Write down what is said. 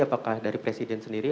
apakah dari presiden sendiri